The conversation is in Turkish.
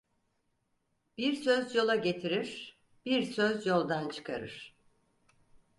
Bir söz yola getirir, bir söz yoldan çıkarır.